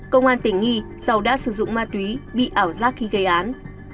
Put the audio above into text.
công an tỉnh nghi do đã sử dụng ma túy bị ảo giác khi gây án